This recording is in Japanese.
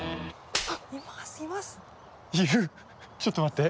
ちょっと待って！